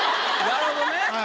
なるほどね。